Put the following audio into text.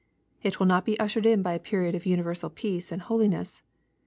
It will not be ushered in by a period of universal peace and holiness.